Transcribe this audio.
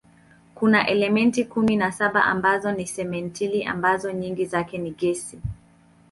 Kuna elementi kumi na saba ambazo ni simetili ambazo nyingi zake ni gesi.